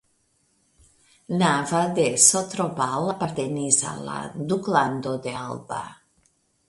Nava de Sotrobal apartenis al la Duklando de Alba.